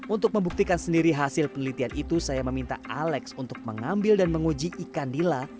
untuk membuktikan sendiri hasil penelitian itu saya meminta alex untuk mengambil dan menguji ikan dila